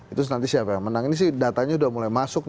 itu nanti siapa yang menang ini sih datanya sudah mulai masuk